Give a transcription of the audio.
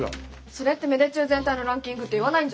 それって芽出中全体のランキングっていわないんじゃない？